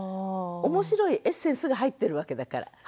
面白いエッセンスが入ってるわけだから。